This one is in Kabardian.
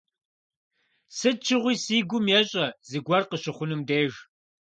Сыт щыгъуи си гум ещӏэ зыгуэр къыщыхъунум деж.